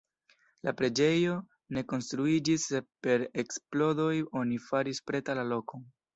La preĝejo ne konstruiĝis, sed per eksplodoj oni faris preta la lokon.